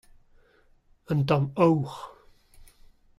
un tamm aour.